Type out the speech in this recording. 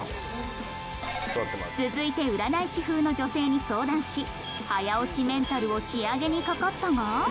続いて占い師風の女性に相談し早押しメンタルを仕上げにかかったが